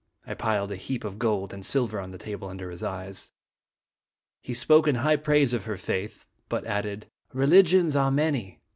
I piled a small heap of gold and silver on the table under his eyes. He spoke in high praise of her faith, but added :" Religions are many.